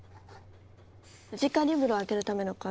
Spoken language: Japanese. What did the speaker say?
ムジカリブロを開けるための鍵